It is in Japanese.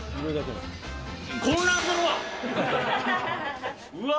混乱するわ。